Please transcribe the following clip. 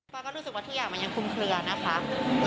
อยก็รู้สึกว่าทุกอย่างมันยังคุมเคลือนะคะ